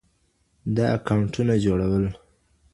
د اکاونټونه جوړول